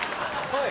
はい。